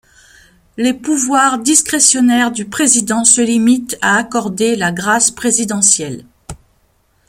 Les pouvoirs discrétionnaires du président se limitent à accorder la grâce présidentielle.